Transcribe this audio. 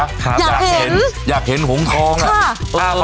อยากเห็นอยากเห็นหงทองอ่ะ